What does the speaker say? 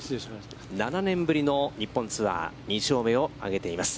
７年ぶりの日本ツアー２勝目を挙げています。